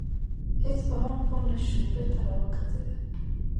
هیڅ په حال پوه نه شو بېرته را وګرځيده.